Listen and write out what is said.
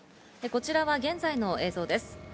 こちらは現在の映像です。